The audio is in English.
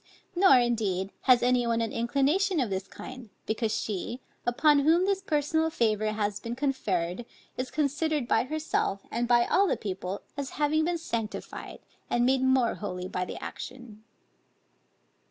Nor indeed, has any one an inclination of this kind; because she, upon whom this personal favor has been conferred, is considered by herself, and by all the people, as having been sanctified and made more holy by the action.